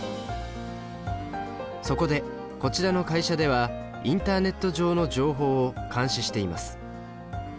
そこでこちらの会社ではインターネット上の情報を監視しています。